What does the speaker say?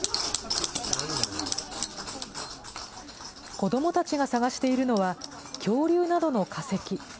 子どもたちが探しているのは、恐竜などの化石。